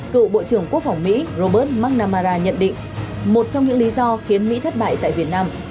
cựu bộ trưởng quốc phòng mỹ robert mcnamara nhận định một trong những lý do khiến mỹ thất bại tại việt nam